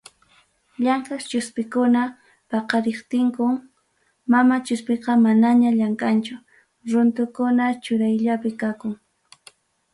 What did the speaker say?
Llamkaq chuspikuna paqariptinkum, mama chuspiqa manañam llamkanchu, runtukuna churayllapi kakun.